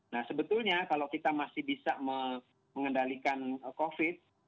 nah sebetulnya kalau kita masih bisa mengendalikan covid sembilan belas